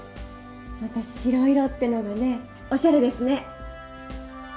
また白色ってのがねおしゃれですね。